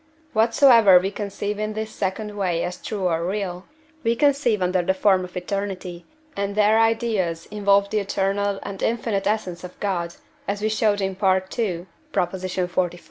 Whatsoever we conceive in this second way as true or real, we conceive under the form of eternity, and their ideas involve the eternal and infinite essence of God, as we showed in II. xlv.